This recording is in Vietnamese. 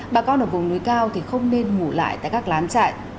bà con ở vùng núi cao thì không nên ngủ lại tại các lán chạy